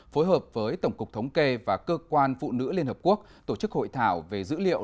phối hợp với tổng cục thống kê và cơ quan phụ nữ liên hợp quốc tổ chức hội thảo về dữ liệu